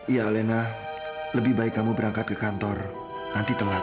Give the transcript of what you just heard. iya alena lebih baik kamu berangkat ke kantor nanti telat